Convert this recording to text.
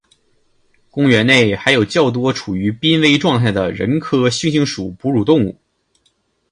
公园内还有较多处于濒危状态的人科猩猩属哺乳动物。